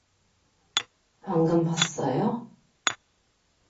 방금 봤어요?